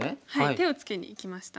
手をつけにいきました。